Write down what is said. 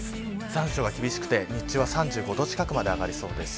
残暑が厳しくて日中は３５度近くまで上がりそうです。